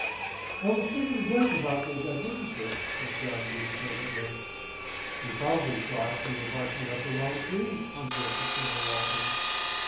"I was tickled to death about those advertisements," said John Dene presently. "You probably thought we were barking up the wrong tree," suggested Colonel Walton.